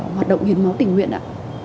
hoạt động hiến máu tình nguyện ạ